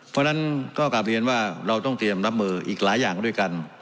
เพราะฉะนั้นก็กลับเรียนว่าเราต้องเตรียมรับมืออีกหลายอย่างด้วยกัน